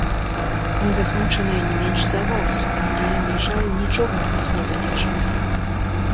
Мы засмучаныя не менш за вас, але на жаль нічога ад нас не залежыць.